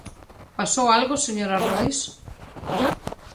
¿Pasou algo, señora Rodís?